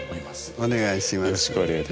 お願いします。